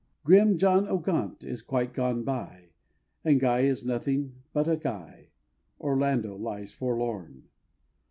Grim John o' Gaunt is quite gone by, And Guy is nothing but a Guy, Orlando lies forlorn!